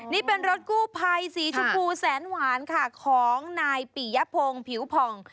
นี่เป็นรถกู้ภัยสีชมพูแสนหวานค่ะของนายปิยพงศ์ผิวผ่อง